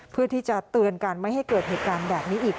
เพื่อที่จะเตือนกันไม่ให้เกิดเหตุการณ์แบบนี้อีก